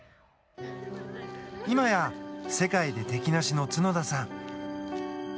今や、世界で敵なしの角田さん。